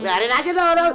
biarin aja dong